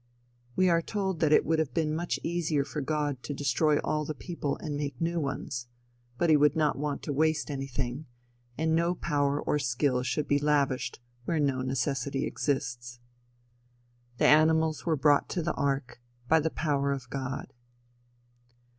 "We are told that it would have been much easier for God to destroy all the people and make new ones, but he would not want to waste anything and no power or skill should be lavished where no necessity exists. "The animals were brought to the ark by the power of God."